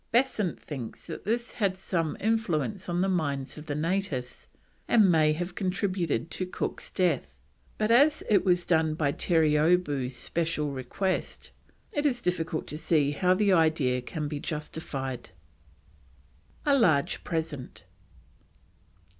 Besant thinks that this had some influence on the minds of the natives, and may have contributed to Cook's death, but as it was done by Terreeoboo's special request it is difficult to see how the idea can be justified. A LARGE PRESENT.